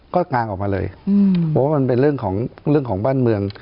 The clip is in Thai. ก็งางออกมาเลยเพราะว่ามันเป็นเรื่องของบ้านเมือง